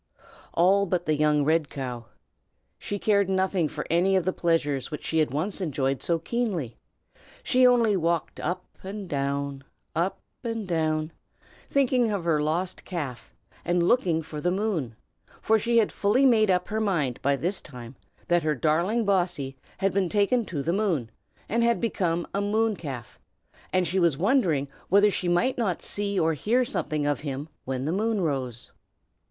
All but the young red cow. She cared nothing for any of the pleasures which she had once enjoyed so keenly; she only walked up and down, up and down, thinking of her lost calf, and looking for the moon. For she had fully made up her mind by this time that her darling Bossy had been taken to the moon, and had become a moon calf; and she was wondering whether she might not see or hear something of him when the moon rose.